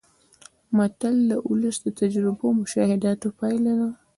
متل د ولس د تجربو او مشاهداتو پایله ده